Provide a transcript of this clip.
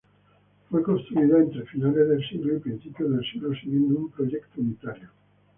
Fue construida entre finales del siglo y principios del siglo siguiendo un proyecto unitario.